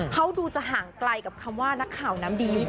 เขาดูจะห่างไกลกับคำว่านักข่าวน้ำดีหรือเปล่า